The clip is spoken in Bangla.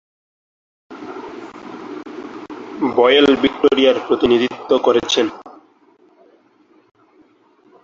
বয়েল ভিক্টোরিয়ার প্রতিনিধিত্ব করেছেন।